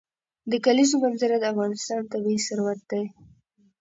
د کلیزو منظره د افغانستان طبعي ثروت دی.